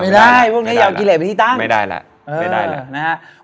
ไม่ได้พวกนี้อยากกิเลสเป็นที่ตั้งไม่ได้ล่ะเออไม่ได้ล่ะนะฮะ